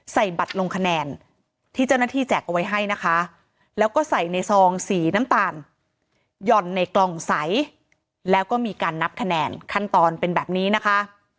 ใส่บัตรลงคะแนนที่เจ้าหน้าที่แจกเอาไว้ให้นะคะแล้วก็ใส่ในซองสีน้ำตาลหย่อนในกล่องใสแล้วก็มีการนับคะแนนขั้นตอนเป็นแบบนี้นะคะ